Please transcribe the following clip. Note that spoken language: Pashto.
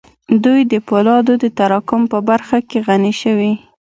دوی د پولادو د تراکم په برخه کې غني شوې